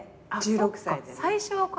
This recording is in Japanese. １６歳でね。